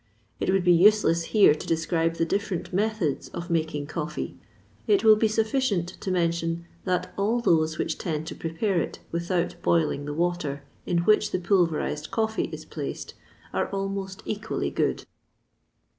It would be useless here to describe the different methods of making coffee; it will be sufficient to mention that all those which tend to prepare it without boiling the water in which the pulverised coffee is placed, are almost equally good.